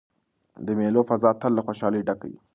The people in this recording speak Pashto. د مېلو فضا تل له خوشحالۍ ډکه يي.